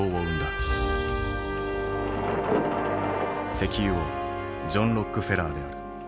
石油王ジョン・ロックフェラーである。